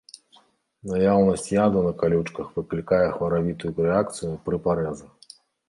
Наяўнасць яду на калючках выклікае хваравітую рэакцыю пры парэзах.